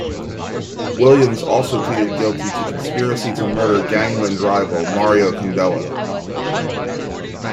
Williams also pleaded guilty to conspiracy to murder gangland rival Mario Condello.